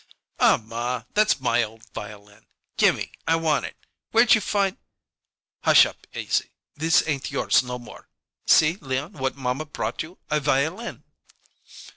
"Aw, ma that's my old violin. Gimme. I want it. Where'd you find " "Hush up, Izzie! This ain't yours no more. See, Leon, what mamma brought you. A violin!"